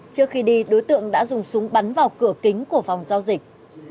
trước khi đi đối tượng đã dùng súng bắn vào cửa kính của phòng giao dịch